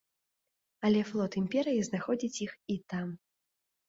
Але флот імперыі знаходзіць іх і там.